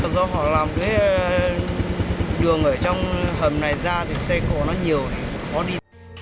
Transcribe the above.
do họ làm cái đường ở trong hầm này ra thì xe cổ nó nhiều khó đi